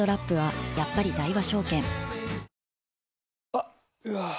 あっ、うわー。